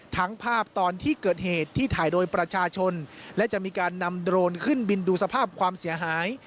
ภาพตอนที่เกิดเหตุที่ถ่ายโดยประชาชนและจะมีการนำโดรนขึ้นบินดูสภาพความเสียหาย